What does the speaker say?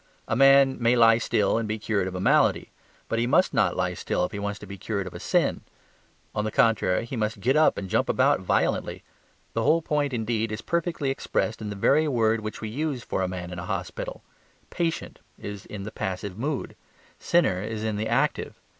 A man may lie still and be cured of a malady. But he must not lie still if he wants to be cured of a sin; on the contrary, he must get up and jump about violently. The whole point indeed is perfectly expressed in the very word which we use for a man in hospital; "patient" is in the passive mood; "sinner" is in the active.